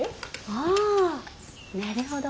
ああなるほど。